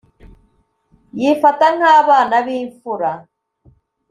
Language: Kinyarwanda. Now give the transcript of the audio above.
yifata nk’abana bimfura’